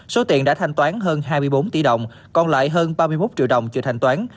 số tiền đã thanh toán hơn hai mươi bốn tỷ đồng còn lại hơn ba mươi một triệu đồng chưa thanh toán